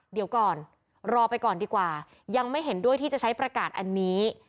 เดี๋ยวก่อนรอไปก่อนดีกว่ายังไม่เห็นด้วยที่จะใช้ประกาศอันนี้